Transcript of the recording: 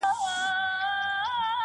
ما یې په جونګړو کي د سترګو غله لیدلي دي٫